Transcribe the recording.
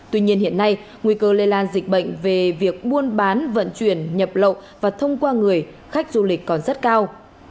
tuy nhiên hiện nay nguy cơ lây lan dịch bệnh về việc buôn bán vận chuyển nhập lậu và thông qua người khách du lịch còn rất cao